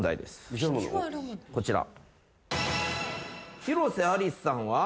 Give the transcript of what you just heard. こちら。